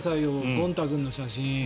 ゴン太君の写真。